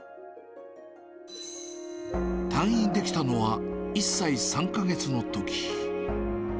退院できたのは１歳３か月のとき。